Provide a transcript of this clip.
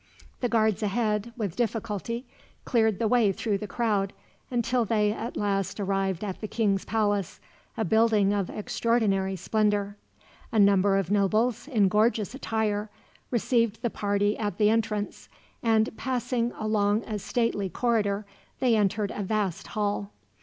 The guards ahead with difficulty cleared the way through the crowd, until they at last arrived at the king's palace, a building of extraordinary splendor. A number of nobles, in gorgeous attire, received the party at the entrance; and passing along a stately corridor, they entered a vast hall.